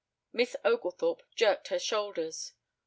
Miss Oglethorpe jerked her shoulders.